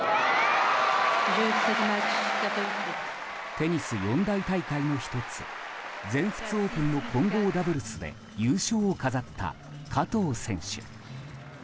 テニス四大大会の１つ全仏オープンの混合ダブルスで優勝を飾った加藤選手。